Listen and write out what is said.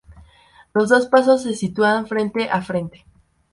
Los dos pasos se sitúan frente a frente.